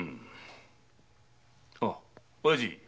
おやじ。